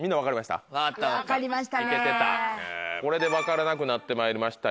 これで分からなくなってまいりましたよ。